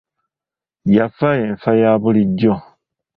Yafa enfa ya bulijjo.